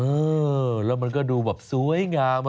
เออแล้วมันก็ดูแบบสวยงาม